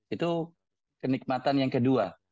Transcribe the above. itu kenikmatan yang kedua